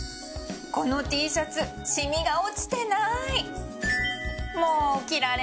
この Ｔ シャツ染みが落ちてない